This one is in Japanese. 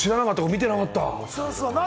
見てなかった。